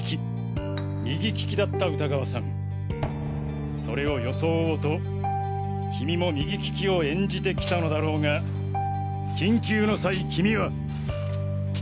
右利きだった歌川さんそれを装おうと君も右利きを演じてきたのだろうが緊急の際君は。